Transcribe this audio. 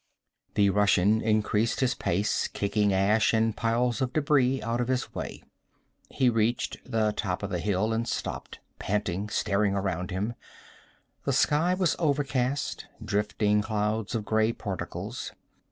The Russian increased his pace, kicking ash and piles of debris out of his way. He reached the top of the hill and stopped, panting, staring around him. The sky was overcast, drifting clouds of gray particles.